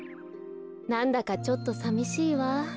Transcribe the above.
なんだかちょっとさみしいわ。